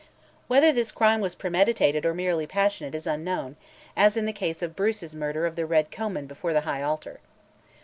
Whether this crime was premeditated or merely passionate is unknown, as in the case of Bruce's murder of the Red Comyn before the high altar.